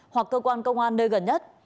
hoặc cơ quan công an nơi gần nhất